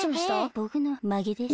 ぼくのまけです。